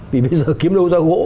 vì bây giờ kiếm đâu ra gỗ